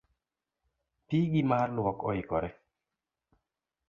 Pigi mar luok oikore